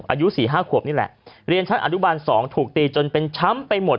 อายุ๔๕ขวบนี่แหละเรียนชั้นอนุบาล๒ถูกตีจนเป็นช้ำไปหมด